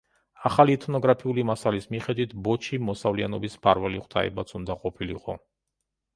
ახალი ეთნოგრაფიული მასალის მიხედვით, ბოჩი მოსავლიანობის მფარველი ღვთაებაც უნდა ყოფილიყო.